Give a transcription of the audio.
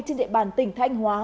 trên địa bàn tỉnh thanh hóa